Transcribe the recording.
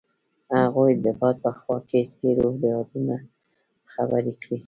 هغوی د باد په خوا کې تیرو یادونو خبرې کړې.